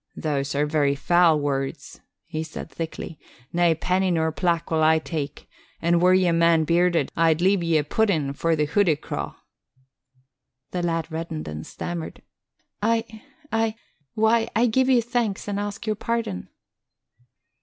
"Those are very foul words," he said thickly. "Nae penny nor plack will I take, and were ye a man bearded, I'd leave ye a pudding for the hoodie craw." The lad reddened and stammered, "I I why, I give you thanks and ask your pardon."